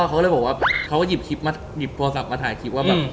เขาก็หยิบโทรศัพท์มาถ่ายคลิปว่า